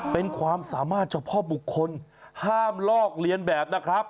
เป็นความสามารถเฉพาะบุคคลห้ามลอกเลียนแบบนะครับ